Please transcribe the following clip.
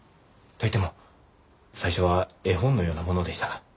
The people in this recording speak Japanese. といっても最初は絵本のようなものでしたが。